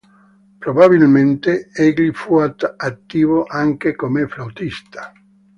Probabilmente egli fu attivo anche come flautista.